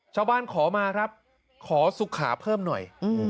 ชาวบ้านขอมาครับขอสุขาเพิ่มหน่อย